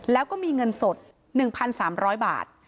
แล้วก็มีเงินสด๑๓๐๐บาท